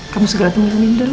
kamu segera temuin dia dulu